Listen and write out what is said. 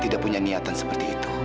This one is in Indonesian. tidak punya niatan seperti itu